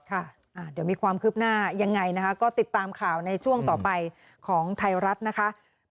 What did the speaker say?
เดี๋ยวมีความคืบหน้ายังไงนะคะก็ติดตามข่าวในช่วงต่อไปของไทยรัฐนะคะ